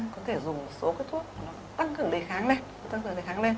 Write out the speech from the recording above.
có thể dùng một số thuốc tăng cường đề kháng lên